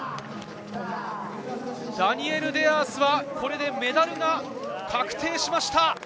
ダニエル・デアースはメダルが確定しました。